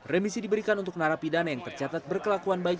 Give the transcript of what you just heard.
remisi diberikan untuk narapidana yang tercatat berkelakuan baik